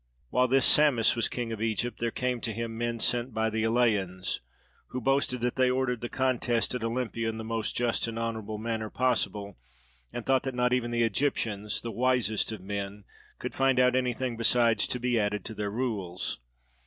While this Psammis was king of Egypt, there came to him men sent by the Eleians, who boasted that they ordered the contest at Olympia in the most just and honourable manner possible and thought that not even the Egyptians, the wisest of men, could find out anything besides, to be added to their rules.